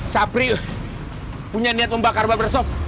sabri punya niat membakar babar sob